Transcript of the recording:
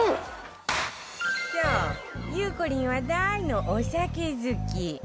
そうゆうこりんは大のお酒好き